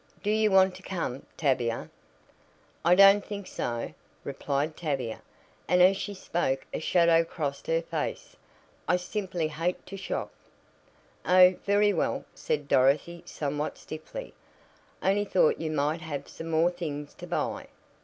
Do you want to come, Tavia?" "I don't think so," replied Tavia; and as she spoke a shadow crossed her face. "I simply hate to shop." "Oh, very well," said Dorothy somewhat stiffly. "I only thought you might have some more things to buy."